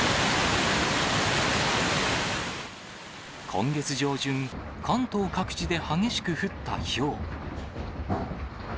今月上旬、関東各地で激しく降ったひょう。